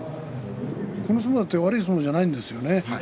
その相撲だって悪い相撲じゃないんですよね。